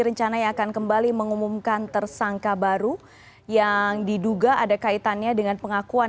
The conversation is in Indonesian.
rencananya akan kembali mengumumkan tersangka baru yang diduga ada kaitannya dengan pengakuan